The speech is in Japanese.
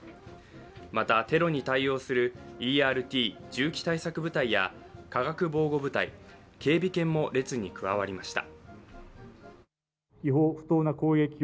またテロに対応するＥＲＴ＝銃器対策部隊や化学防護部隊、警備犬も列に加わりました。